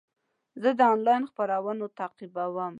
زه د انلاین خپرونه تعقیبوم.